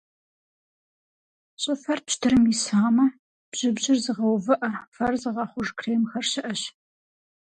Щӏыфэр пщтырым исамэ, бжьыбжьыр зыгъэувыӏэ, фэр зыгъэхъуж кремхэр щыӏэщ.